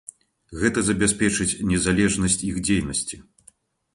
Гэта забяспечыць незалежнасць іх дзейнасці.